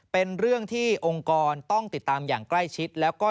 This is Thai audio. เป็นเรื่องที่องค์กรต้องติดตามอย่างใกล้ชิดแล้วก็